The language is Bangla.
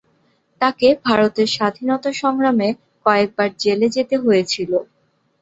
তাকে ভারতের স্বাধীনতা সংগ্রামে কয়েকবার জেলে যেতে হয়েছিল।